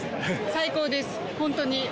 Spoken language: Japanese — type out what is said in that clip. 最高です、本当に。